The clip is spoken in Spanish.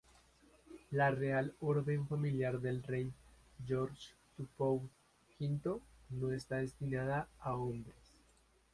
La Real Orden Familiar del Rey George Tupou V no está destinada a hombres.